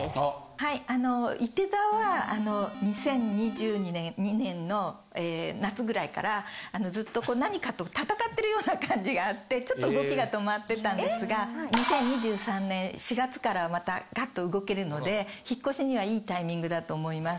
はいあのいて座は２０２２年の夏ぐらいからずっと何かと戦ってるような感じがあってちょっと動きが止まってたんですが２０２３年４月からはまたガッと動けるので引越しにはいいタイミングだと思います。